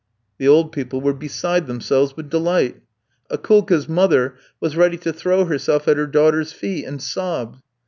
"The old people were beside themselves with delight. Akoulka's mother was ready to throw herself at her daughter's feet, and sobbed.